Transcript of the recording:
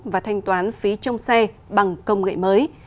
và thanh toán phí trông xe bằng công nghệ mới